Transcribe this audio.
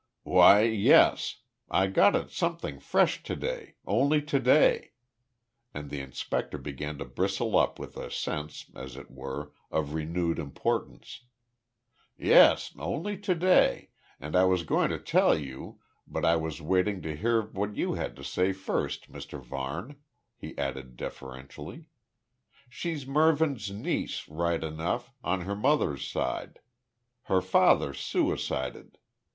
"Why, yes. I got at something fresh to day, only to day." And the inspector began to bristle up with a sense, as it were, of renewed importance. "Yes, only to day, and I was going to tell you, but I was waiting to hear what you had to say first, Mr Varne," he added deferentially. "She's Mervyn's niece right enough, on her mother's side. Her father suicided.